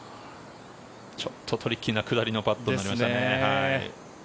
ちょっとトリッキーな下りのパットになりましたね。